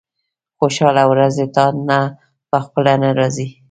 خوشاله ورځې تاته په خپله نه راځي.